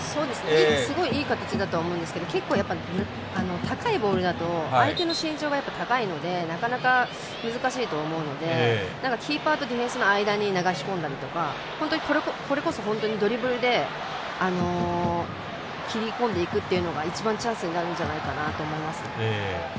すごいいい形だとは思うんですけど結構、高いボールだと相手の身長が高いのでなかなか難しいと思うのでキーパーとディフェンスの間に流し込んだりとかこれこそ本当にドリブルで切り込んでいくっていうのが一番、チャンスになるんじゃないかなと思います。